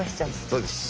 そうです。